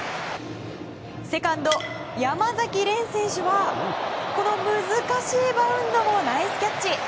セカンド、山崎漣音選手は難しいバウンドをナイスキャッチ！